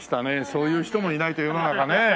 そういう人もいないと世の中ね。